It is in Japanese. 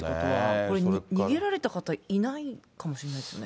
これ、逃げられた方いないかもしれないですね。